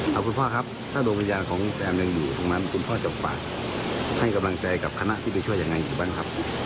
เอาคุณพ่อครับถ้าดวงวิญญาณของแซมยังอยู่ตรงนั้นคุณพ่อจะฝากให้กำลังใจกับคณะที่ไปช่วยยังไงอยู่บ้างครับ